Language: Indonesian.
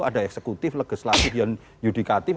ada eksekutif legislatif adjudikatif